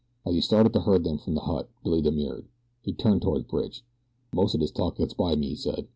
As he started to herd them from the hut Billy demurred. He turned toward Bridge. "Most of this talk gets by me," he said.